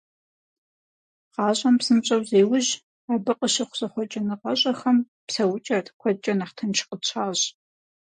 Гъащӏэм псынщӏэу зеужь, абы къыщыхъу зэхъуэкӏыныгъэщӏэхэм псэукӏэр куэдкӏэ нэхъ тынш къытщащӏ.